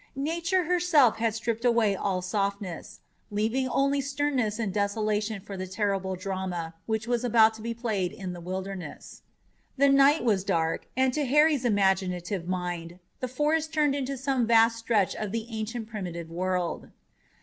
Nature herself had stripped away all softness, leaving only sternness and desolation for the terrible drama which was about to be played in the Wilderness. The night was dark, and to Harry's imaginative mind the forest turned to some vast stretch of the ancient, primitive world.